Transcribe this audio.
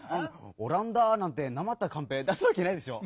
「おらんだ」なんてなまったカンペ出すわけないでしょ？